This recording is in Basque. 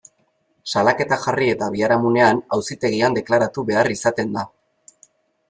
Salaketa jarri eta biharamunean, auzitegian deklaratu behar izaten da.